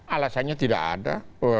alasannya tidak ada